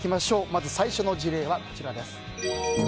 まず最初の事例はこちらです。